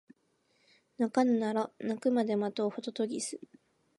鳴かぬなら鳴くまで待とうホトトギス